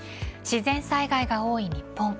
自然災害が多い日本。